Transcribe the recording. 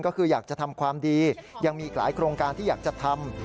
ก็คืออยากจะทำความดียังมีอีกหลายโครงการที่อยากจะทำ